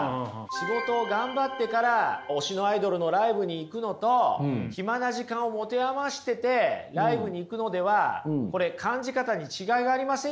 仕事を頑張ってから推しのアイドルのライブに行くのと暇な時間を持て余しててライブに行くのではこれ感じ方に違いがありません？